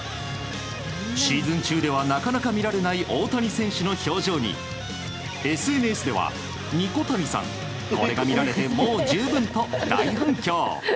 シーズン中ではなかなか見られない大谷選手の表情にＳＮＳでは、ニコ谷さんこれが見られてもう十分と大反響。